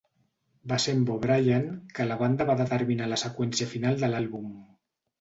Va ser amb O'Brien que la banda va determinar la seqüència final de l'àlbum.